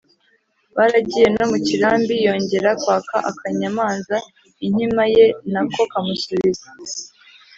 baragiye no mu kirambi yongera kwaka akanyamanza inkima ye na ko kamusubiza.